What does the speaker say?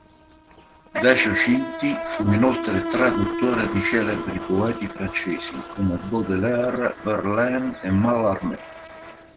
Decio Cinti fu inoltre traduttore di celebri poeti francesi, come Baudelaire, Verlaine e Mallarmé.